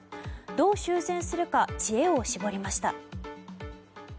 どう修繕するか知恵を絞りました。